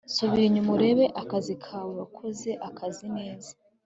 subira inyuma urebe akazi kawe, wakoze akazi neza